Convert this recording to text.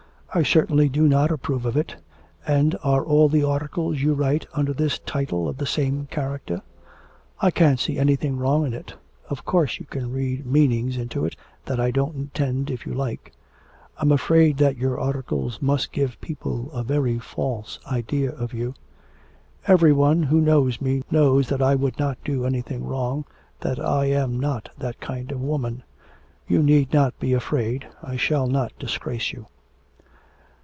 'I certainly do not approve of it, and are all the articles you write under this title of the same character?' 'I can't see anything wrong in it. Of course you can read meanings into it that I don't intend if you like.' 'I am afraid that your articles must give people a very false idea of you.' 'Every one who knows me knows that I would not do anything wrong, that I am not that kind of woman. You need not be afraid, I shall not disgrace you.'